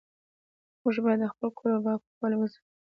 موږ باید د خپل کور او باغ پاکوالی وساتو